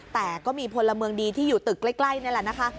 แต่ก็มีพลเมืองดีที่อยู่ตึกใกล้นี่แหละนะคะ